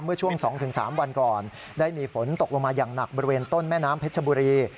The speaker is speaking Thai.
เมื่อช่วง๒๓วันก่อนได้มีฝนตกลงมาอย่างหนักบริเวณต้นแม่น้ำเพชรบุรี